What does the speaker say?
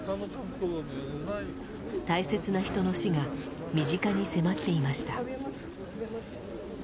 大切な人の死が身近に迫っていました。